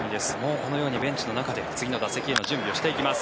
このようにベンチの中で次の打席への準備をしていきます。